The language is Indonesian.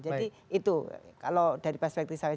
jadi itu kalau dari perspektif saya